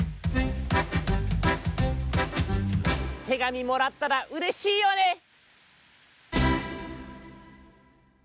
手紙もらったらうれしいよね！